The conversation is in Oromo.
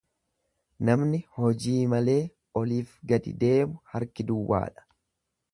Namni hojii malee oliif gadi deemu harki duwwaadha.